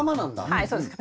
はいそうです。